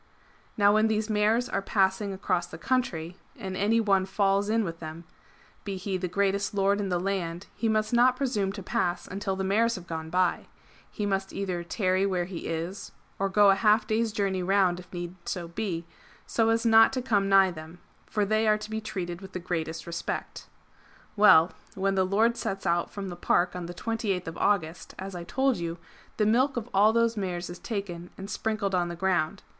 '^ Now when these mares are passing across the country, and any one falls in with them, be he the greatest lord in the land, he must not presume to pass until the mares have gone by ; he must either tarry where he is, or go a half day's journey round if need so be, so as not to come nigh them ; for they are to be treated with the greatest respect. Well, when the Lord sets out from the Park on the 28th of August, as I told you, the milk of all those mares is taken and sprinkled on the ground.